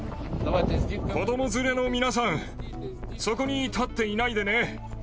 子ども連れの皆さん、そこに立っていないでね。